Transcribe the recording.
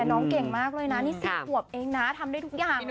น้องเก่งมากเลยนะนี่๔ขวบเองนะทำได้ทุกอย่างเลย